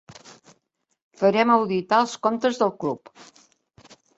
Farem auditar els comptes del club.